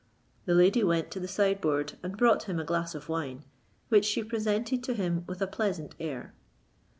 The lady went to the sideboard and brought him a glass of wine, which she presented to him with a pleasant air.